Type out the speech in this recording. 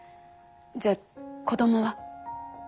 じゃあ子どもは？